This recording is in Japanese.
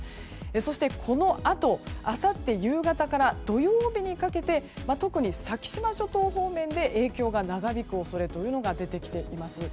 そして、このあとあさって夕方から土曜日にかけて特に先島諸島方面で影響が長引く恐れが出てきています。